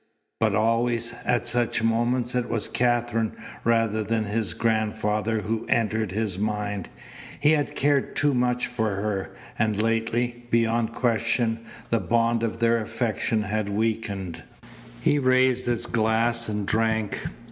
But always at such moments it was Katherine rather than his grandfather who entered his mind. He had cared too much for her, and lately, beyond question, the bond of their affection had weakened. He raised his glass and drank.